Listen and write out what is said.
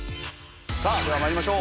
さあでは参りましょう。